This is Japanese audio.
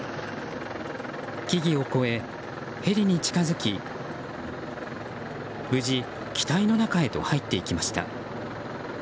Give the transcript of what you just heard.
木々を越え、ヘリに近づき無事、機体の中へと入っていきました。